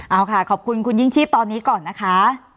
เอาค่ะขอบคุณคุณยิ่งชีพตอนนี้ก่อนนะคะ